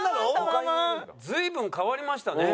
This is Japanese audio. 随分変わりましたね。